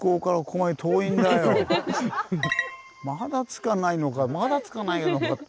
まだ着かないのかまだ着かないのか。